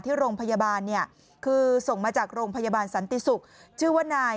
ที่โรงพยาบาลเนี่ยคือส่งมาจากโรงพยาบาลสันติศุกร์ชื่อว่านาย